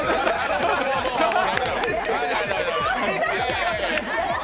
ちょっと！